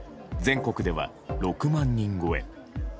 全国では６万人超え。